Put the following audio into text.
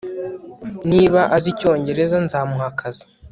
niba azi icyongereza, nzamuha akazi